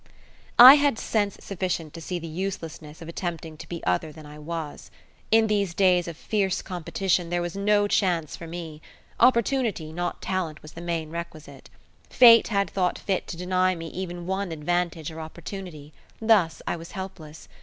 I had sense sufficient to see the uselessness of attempting to be other than I was. In these days of fierce competition there was no chance for me opportunity, not talent, was the main requisite. Fate had thought fit to deny me even one advantage or opportunity, thus I was helpless.